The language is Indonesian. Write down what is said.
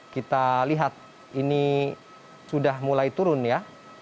kita lihat ini sudah mulai turun ya